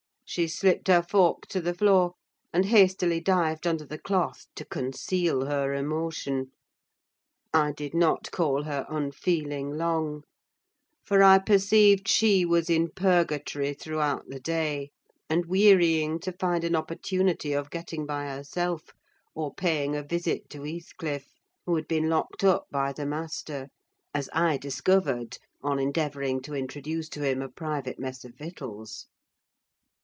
She slipped her fork to the floor, and hastily dived under the cloth to conceal her emotion. I did not call her unfeeling long; for I perceived she was in purgatory throughout the day, and wearying to find an opportunity of getting by herself, or paying a visit to Heathcliff, who had been locked up by the master: as I discovered, on endeavouring to introduce to him a private mess of victuals.